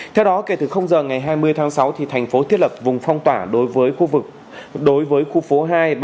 theo đó kể từ giờ ngày hai mươi tháng sáu thành phố thiết lập vùng phong tỏa đối với khu phố hai trăm ba mươi bốn